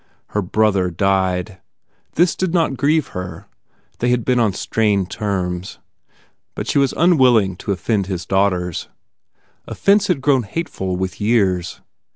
Her brother died. This did not grieve her; they had been on strained terms. But she was unwilling to offend his daughters. Offence had grown hateful with years.